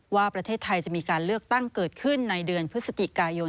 ว่าประเทศไทยจะมีการเลือกตั้งเกิดขึ้นในเดือนพฤศจิกายน